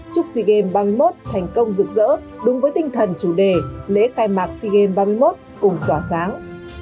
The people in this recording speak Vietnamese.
chúc sigem ba mươi một thành công rực rỡ đúng với tinh thần chủ đề lễ khai mạc sigem ba mươi một cùng tỏa sáng